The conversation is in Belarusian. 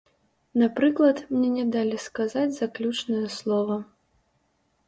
Напрыклад, мне не далі сказаць заключнае слова.